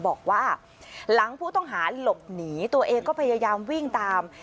บอกว่าหลังผู้ต้องหาหลบหนีตัวเองก็พยายามวิ่งตาม